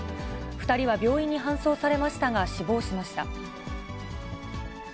２人は病院に搬送されましたが、死亡しました。